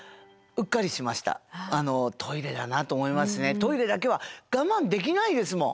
トイレだけは我慢できないですもん。